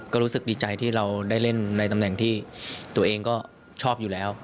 ก็รู้สึกดีใจที่เราได้เล่นในตำแหน่งที่ตัวเองก็ชอบอยู่แล้ว